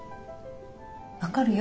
分かるよ。